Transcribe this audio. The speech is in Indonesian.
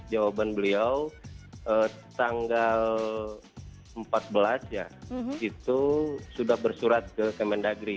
jawaban beliau tanggal empat belas ya itu sudah bersurat ke kemendagri